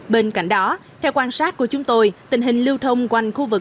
bên cạnh đó theo quan sát của chúng tôi tình hình lưu thông quanh khu vực